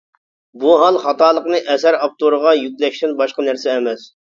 بۇ ھال خاتالىقنى ئەسەر ئاپتورىغا يۈكلەشتىن باشقا نەرسە ئەمەس.